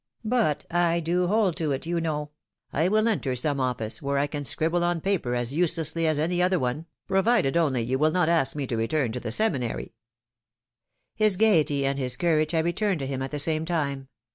But I do hold to it, you know ! I will enter some office, where I can scribble on paper as uselessly as any other one, provided only you will not ask me to return to the Seminary His gayety and his courage had returned to him at the same time.